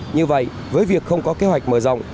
như vậy với việc không có kế hoạch mở rộng